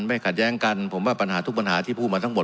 ขัดแย้งกันผมว่าปัญหาทุกปัญหาที่พูดมาทั้งหมด